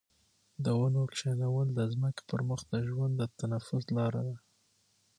د ونو کښېنول د ځمکې پر مخ د ژوند د تنفس لاره ده.